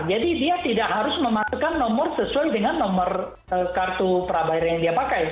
jadi dia tidak harus memasukkan nomor sesuai dengan nomor kartu perabahiran yang dia pakai